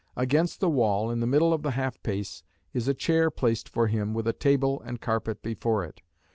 Against the wall, in the middle of the half pace, is a chair placed for him, with a table and carpet before it.